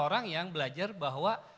orang yang belajar bahwa